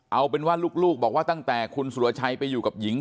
เอาเป็นว่าลูกบอกว่าตั้งแต่คุณสุรชัยไปอยู่กับหญิง